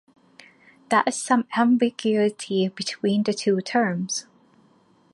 There is some ambiguity between the two terms.